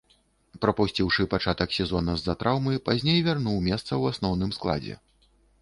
Прапусціўшы пачатак сезона з-за траўмы, пазней вярнуў месца ў асноўным складзе.